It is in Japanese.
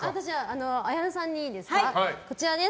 綾菜さんにいいですか。